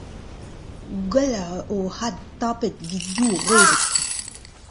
Gwelloc'h ur c'had tapet evit div o redek.